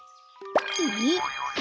えっ！？